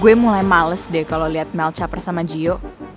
gue mulai males deh kalo liat mel caper sama jiho